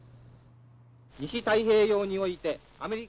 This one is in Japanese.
「西太平洋においてアメリカ」。